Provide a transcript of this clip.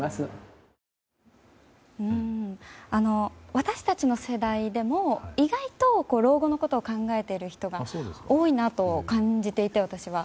私たちの世代でも、意外と老後のことを考えている人が多いなと感じていて、私は。